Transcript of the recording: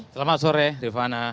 selamat sore rifana